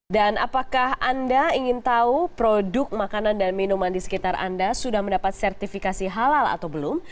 dan apakah anda ingin tahu produk makanan dan minuman di sekitar anda sudah mendapat sertifikasi halal atau belum